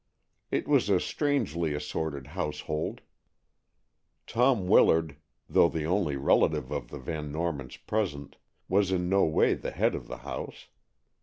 It was a strangely assorted household. Tom Willard, though the only relative of the Van Normans present, was in no way the head of the house.